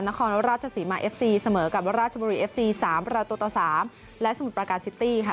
นครราชศรีมาเอฟซีเสมอกับราชบุรีเอฟซี๓ประตูต่อ๓และสมุทรปราการซิตี้ค่ะ